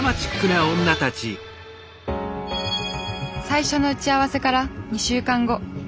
最初の打ち合わせから２週間後。